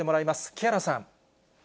木原さん。